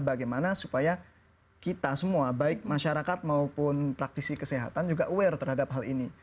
bagaimana supaya kita semua baik masyarakat maupun praktisi kesehatan juga aware terhadap hal ini